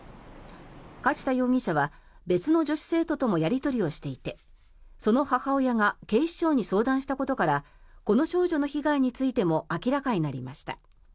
梶田容疑者は別の女子生徒ともやり取りをしていてその母親が警視庁に相談したことからこの少女の被害についても明らかになりました。